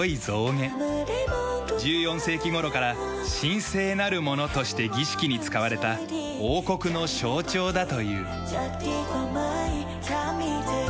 １４世紀頃から神聖なるものとして儀式に使われた王国の象徴だという。